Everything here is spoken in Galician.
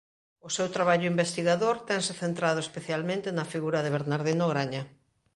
O seu traballo investigador tense centrado especialmente na figura de Bernardino Graña.